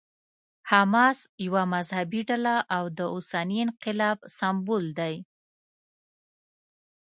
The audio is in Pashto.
حماس یوه مذهبي ډله او د اوسني انقلاب سمبول دی.